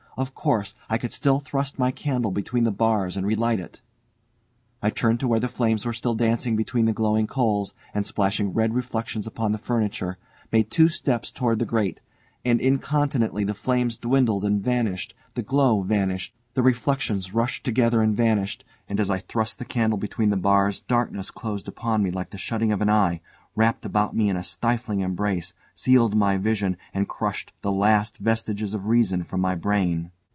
Of course I could still thrust my candle between the bars and relight it! I turned to where the flames were still dancing between the glowing coals, and splashing red reflections upon the furniture, made two steps towards the grate, and incontinently the flames dwindled and vanished, the glow vanished, the reflections rushed together and vanished, and as I thrust the candle between the bars darkness closed upon me like the shutting of an eye, wrapped about me in a stifling embrace, sealed my vision, and crushed the last vestiges of reason from my brain.